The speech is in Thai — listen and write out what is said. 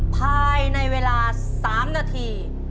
ภายในเวลา๓นาที